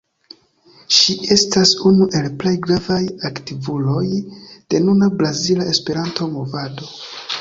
Ŝi estas unu el plej gravaj aktivuloj de nuna brazila Esperanto-Movado.